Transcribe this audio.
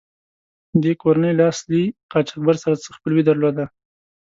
دې کورنۍ له اصلي قاچاقبر سره څه خپلوي درلوده.